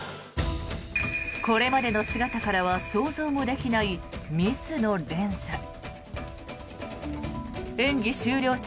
これまでの姿からは想像もできないミスの連鎖。